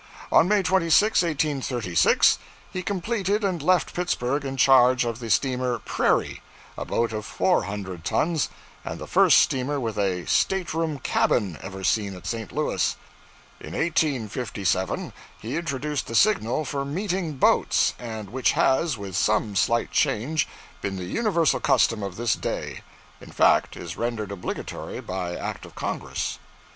On May 26, 1836, he completed and left Pittsburgh in charge of the steamer "Prairie," a boat of four hundred tons, and the first steamer with a State Room cabin ever seen at St. Louis. In 1857 he introduced the signal for meeting boats, and which has, with some slight change, been the universal custom of this day; in fact, is rendered obligatory by act of Congress.